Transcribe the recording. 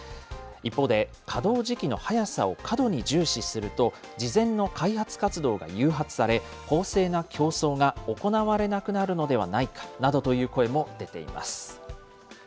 一方で、稼働時期の早さを過度に重視すると、事前の開発活動が誘発され、公正な競争が行われなくなるのではないかなどという声も出ています。